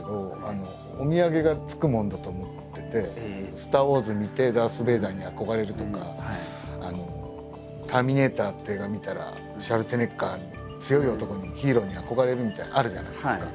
「スター・ウォーズ」見てダース・ベイダーに憧れるとか「ターミネーター」っていう映画見たらシュワルツェネッガーに強い男にヒーローに憧れるみたいなあるじゃないですか。